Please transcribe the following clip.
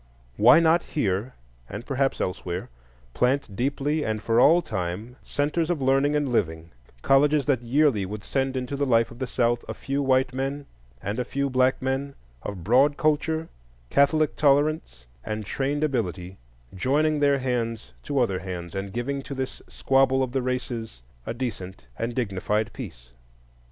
Why not here, and perhaps elsewhere, plant deeply and for all time centres of learning and living, colleges that yearly would send into the life of the South a few white men and a few black men of broad culture, catholic tolerance, and trained ability, joining their hands to other hands, and giving to this squabble of the Races a decent and dignified peace?